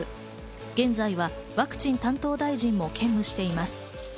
現在はワクチン担当大臣も兼務しています。